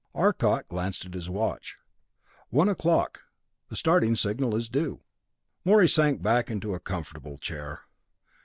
Arcot glanced at his watch. "One o'clock. The starting signal is due." Morey sank back into a comfortable chair.